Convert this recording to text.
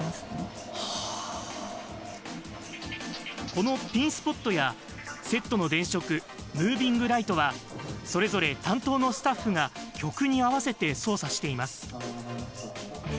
このピンスポットやセットの電飾ムービングライトはそれぞれ担当のスタッフが曲に合わせて操作しています。